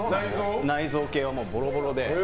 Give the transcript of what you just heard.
内臓系はボロボロで。